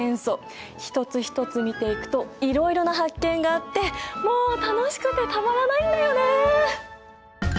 一つ一つ見ていくといろいろな発見があってもう楽しくてたまらないんだよね。